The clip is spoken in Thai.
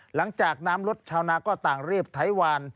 หลังจากน้ำลดชาวนาก็ต่างรีบไถวาน